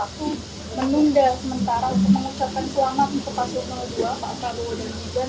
mengucapkan selamat untuk paswan dua pak askarowo dan iban